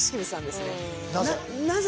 なぜ？